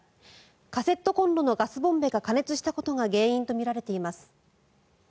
カセットコンロのガスボンベが過熱したことが原因とみられています。